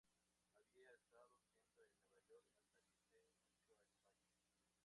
Había estado viviendo en Nueva York hasta que se marchó a España.